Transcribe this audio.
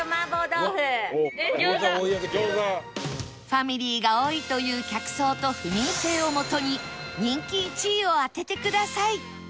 ファミリーが多いという客層と府民性をもとに人気１位を当ててください